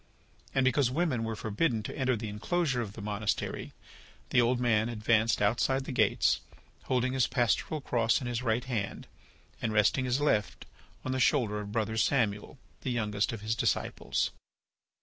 And because women were forbidden to enter the enclosure of the monastery the old man advanced outside the gates, holding his pastoral cross in his right hand and resting his left on the shoulder of Brother Samuel, the youngest of his disciples.